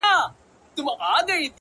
او په تصوير كي مي ـ